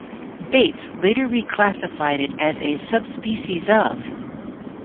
Bates later reclassified it as a subspecies of "".